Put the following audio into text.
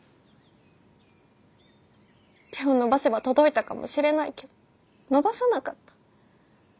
手を伸ばせば届いたかもしれないけど伸ばさなかった。